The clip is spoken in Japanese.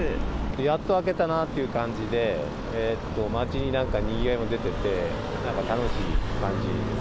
やっと明けたなという感じで、街になんかにぎわいも出てて、なんか楽しいって感じです。